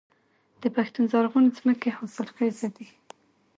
د پښتون زرغون ځمکې حاصلخیزه دي